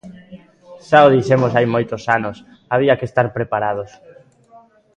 Xa o dixemos hai moitos anos, había que estar preparados.